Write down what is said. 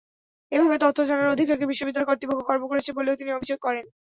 এভাবে তথ্য জানার অধিকারকে বিশ্ববিদ্যালয় কর্তৃপক্ষ খর্ব করছে বলেও তিনি অভিযোগ করেন।